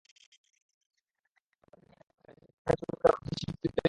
কদিন আগেই ম্যারাডোনা বলেছিলেন, মেসির মধ্যে নেতৃত্ব দেওয়ার মতো সেই ব্যক্তিত্বই নেই।